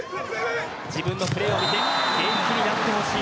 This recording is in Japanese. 自分のプレーを見て元気になってほしい。